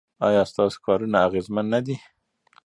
ایا ستاسو کارونه اغیزمن نه دي؟